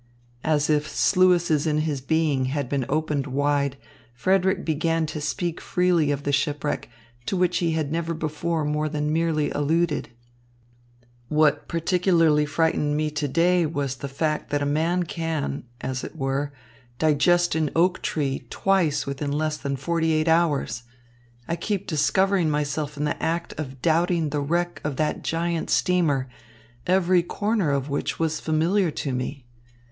As if sluices in his being had been opened wide, Frederick began to speak freely of the shipwreck, to which he had never before more than merely alluded. "What particularly frightened me to day was the fact that a man can, as it were, digest an oak tree twice within less than forty eight hours. I keep discovering myself in the act of doubting the wreck of that giant steamer, every corner of which was familiar to me.